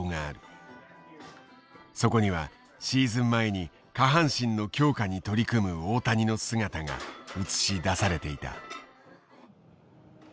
そこにはシーズン前に下半身の強化に取り組む大谷の姿が映し出されていた。